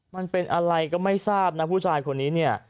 มันเป็นอะไรก็ไม่ทราบนะผู้ชายคนนี้เนี่ย